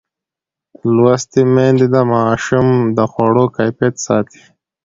لوستې میندې د ماشوم د خوړو کیفیت ساتي.